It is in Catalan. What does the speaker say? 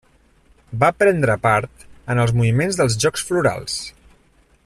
Va prendre part en el moviment dels Jocs Florals.